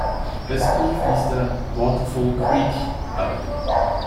Östlich fließt der "Waterfall Creek" ab.